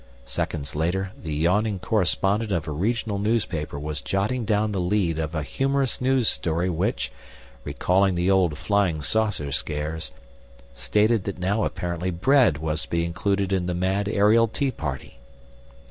Seconds later, the yawning correspondent of a regional newspaper was jotting down the lead of a humorous news story which, recalling the old flying saucer scares, stated that now apparently bread was to be included in the mad aerial tea party.